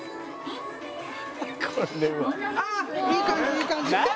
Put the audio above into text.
「２１」いい感じいい感じ！